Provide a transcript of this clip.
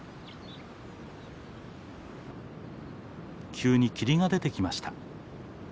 急に霧が出てきました。